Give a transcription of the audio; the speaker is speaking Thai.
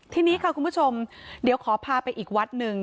ทีนี้ค่ะคุณผู้ชมเดี๋ยวขอพาไปอีกวัดหนึ่ง